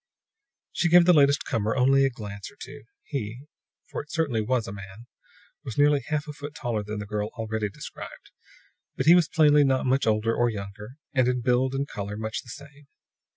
She gave the latest comer only a glance or two. He for it certainly was a man was nearly a half a foot taller than the girl already described; but he was plainly not much older or younger, and in build and color much the same.